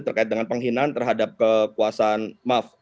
terkait dengan penghinaan terhadap kekuasaan maaf